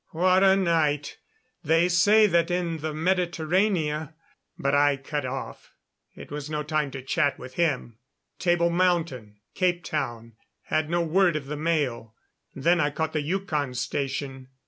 What a night! They say that in Mediterrania " But I cut off; it was no time to chat with him. Table Mountain, Capetown, had no word of the mail. Then I caught the Yukon Station.